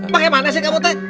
pakai mana sih kamu teh